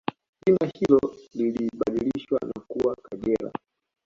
Jina hilo lilibadilishwa na kuwa Kagera